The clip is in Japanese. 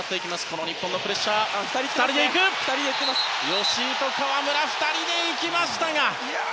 吉井と河村２人で行きましたが。